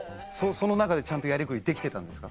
その中でちゃんとやりくりできてたんですか？